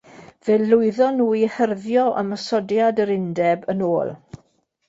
Fe lwyddon nhw i hyrddio ymosodiad yr Undeb yn ôl.